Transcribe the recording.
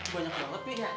banyak banget ya